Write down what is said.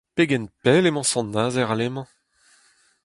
Pegen pell emañ Sant-Nazer alemañ ?